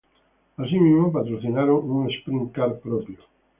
Así mismo patrocinaron un sprint car propio.